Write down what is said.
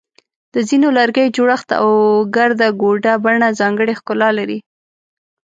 د ځینو لرګیو جوړښت او ګرده ګوټه بڼه ځانګړی ښکلا لري.